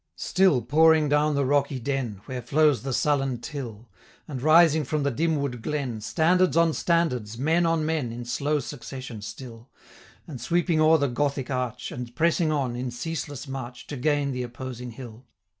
Still pouring down the rocky den, Where flows the sullen Till, And rising from the dim wood glen, Standards on standards, men on men, 585 In slow succession still, And, sweeping o'er the Gothic arch, And pressing on, in ceaseless march, To gain the opposing hill.